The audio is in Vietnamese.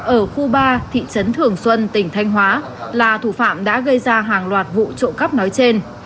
ở khu ba thị trấn thường xuân tỉnh thanh hóa là thủ phạm đã gây ra hàng loạt vụ trộm cắp nói trên